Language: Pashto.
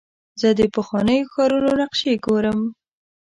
زه د پخوانیو ښارونو نقشې ګورم.